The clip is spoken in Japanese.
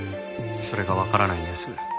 それがわからないんです。